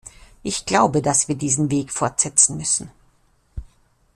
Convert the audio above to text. Ich glaube, dass wir diesen Weg fortsetzen müssen.